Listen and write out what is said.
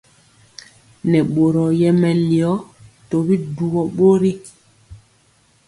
Nɛ boro yɛ melio tɔbi dujɔ bori.